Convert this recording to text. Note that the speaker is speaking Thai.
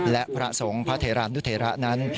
และพระสงฆ์พระเทรานุเทระนั้น